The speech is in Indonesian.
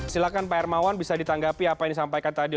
silahkan pak hermawan bisa ditanggapi apa yang disampaikan tadi